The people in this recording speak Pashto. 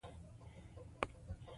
ښوونکي به ملاتړ ومومي.